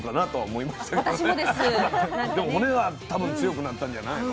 でも骨は多分強くなったんじゃないの？